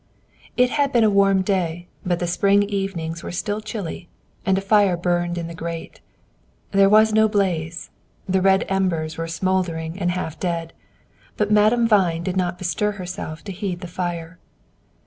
It had been a warm day, but the spring evenings were still chilly, and a fire burned in the grate. There was no blaze, the red embers were smoldering and half dead, but Madame Vine did not bestir herself to heed the fire.